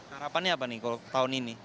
harapannya apa nih kalau tahun ini